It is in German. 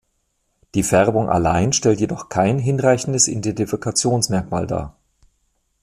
Die Färbung allein stellt jedoch kein hinreichendes Identifikationsmerkmal dar.